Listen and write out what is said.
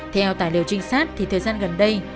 theo tài liệu trinh sát thì thời gian gần đây